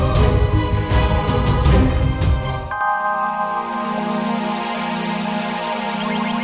biar aku mencari minuman